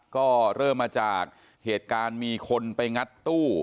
ก็เริ่มมาจากเหตุการณ์มีคนไปงัดตู้